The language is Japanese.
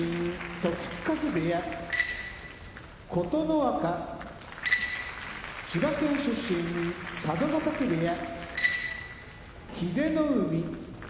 時津風部屋琴ノ若千葉県出身佐渡ヶ嶽部屋英乃海